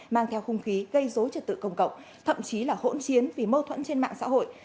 mang theo hung khí gây dối trật tự công cộng thậm chí là hỗn chiến vì mâu thuẫn trên mạng xã hội